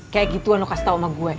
kayak gitu ano kasih tau sama gue